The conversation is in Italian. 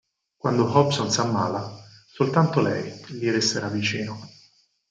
Quando Hobson si ammala, soltanto lei gli resterà vicino.